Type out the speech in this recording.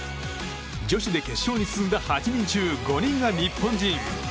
女子で決勝に進んだ８人中５人が日本人。